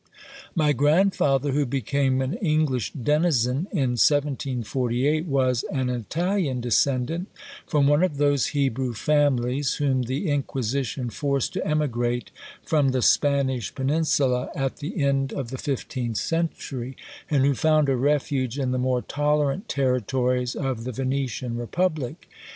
My grandfather, who became an English Denizen in 1748, was an Italian descendant from one of those Hebrew families whom the Inquisition forced to emigrate from the Spanish Peninsula at the end of the fifteenth century, and who found a refuge in the more tolerant territories of the Venetian Republic.